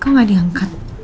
kok gak diangkat